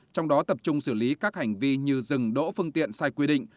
trong đó tập trung xử lý các hành vi như dừng đỗ phương tiện sai quy định